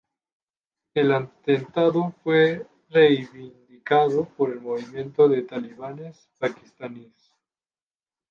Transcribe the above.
El atentado fue reivindicado por el Movimiento de los Talibanes Pakistaníes.